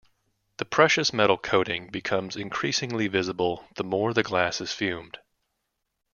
The precious metal coating becomes increasingly visible the more the glass is fumed.